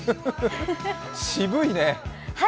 渋いね。